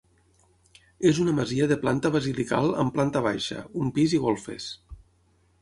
És una masia de planta basilical amb planta baixa, un pis i golfes.